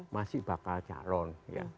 masih bakal calon